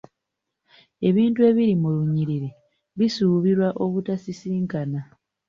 Ebintu ebiri mu lunyiriri bisuubirwa obutasisinkana.